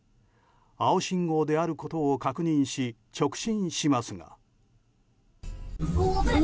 青信号であることを確認し直進しますが。